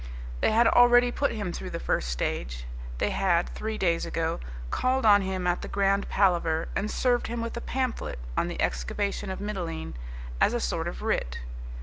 They had already put him through the first stage. They had, three days ago, called on him at the Grand Palaver and served him with a pamphlet on "The Excavation of Mitylene" as a sort of writ.